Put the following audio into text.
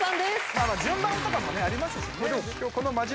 まあ順番とかもねありますしね。